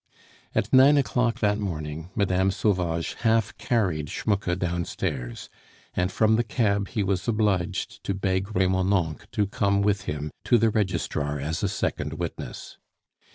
At nine o'clock that morning Mme. Sauvage half carried Schmucke downstairs, and from the cab he was obliged to beg Remonencq to come with him to the registrar as a second witness.